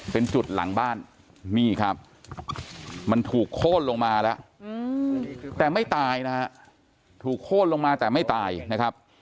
เป็นจุดหลังบ้านนี่ครับ